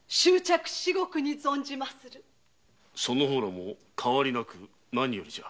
その方らも変わりなく何より。